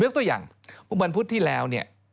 เรียกตัวอย่างวันพุธที่แล้ว